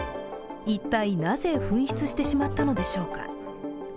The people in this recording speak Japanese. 一体、なぜ紛失してしまったのでしょうか。